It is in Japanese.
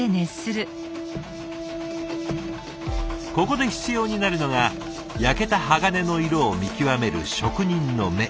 ここで必要になるのが焼けた鋼の色を見極める職人の目。